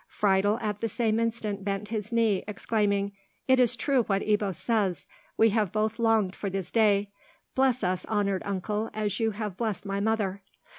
Friedel at the same instant bent his knee, exclaiming, "It is true what Ebbo says! We have both longed for this day. Bless us, honoured uncle, as you have blessed my mother."